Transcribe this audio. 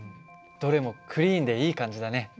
どれもクリーンでいい感じだね。